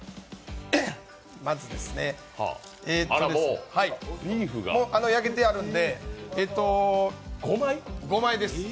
まず、もう焼けてあるので、５枚です。